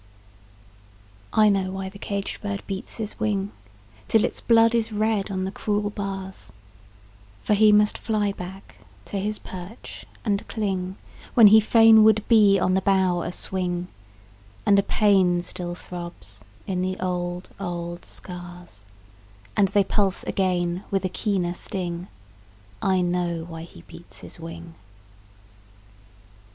I know why the caged bird beats his wing Till its blood is red on the cruel bars; For he must fly back to his perch and cling When he fain would be on the bough a swing; And a pain still throbs in the old, old scars And they pulse again with a keener sting I know why he beats his wing!